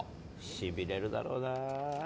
しびれるだろうな。